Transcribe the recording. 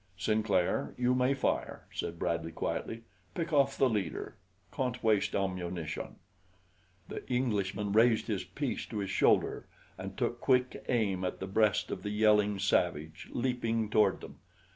"Sinclair, you may fire," said Bradley quietly. "Pick off the leader. Can't waste ammunition." The Englishman raised his piece to his shoulder and took quick aim at the breast of the yelling savage leaping toward them.